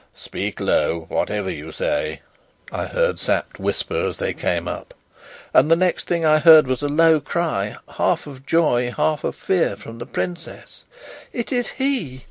"Speak low, whatever you say," I heard Sapt whisper as they came up; and the next thing I heard was a low cry half of joy, half of fear from the princess: "It is he!